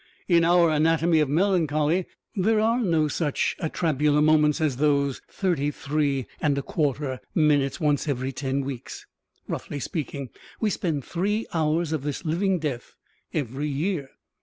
In our anatomy of melancholy there are no such atrabiliar moments as those thirty three (and a quarter) minutes once every ten weeks. Roughly speaking, we spend three hours of this living death every year.